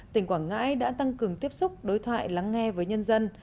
tỉnh quảng ngãi đã tăng cường tiếp xúc đối thoại lắng nghe với nhân dân